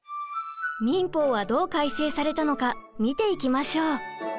民法はどう改正されたのか見ていきましょう。